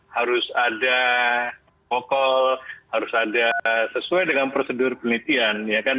harus ada pokok harus ada sesuai dengan prosedur penelitian